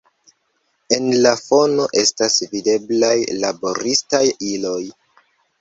En la fono estas videblaj laboristaj iloj.